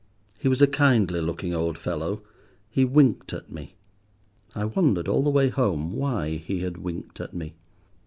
He was a kindly looking old fellow. He winked at me. I wondered all the way home why he had winked at me.